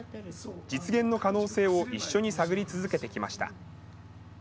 実現の可能性を一緒に探り続けてきました。